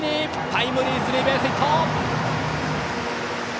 タイムリースリーベースヒット！